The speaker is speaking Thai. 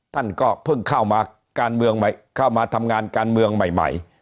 ท่านก็เพิ่งเข้ามาทำงานการเมืองใหม่